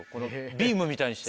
ビームみたいにして。